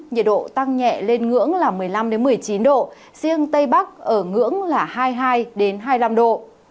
nhiệt độ tăng nhẹ lên ngưỡng là một mươi năm một mươi chín độ riêng tây bắc ở ngưỡng là hai mươi hai hai mươi năm độ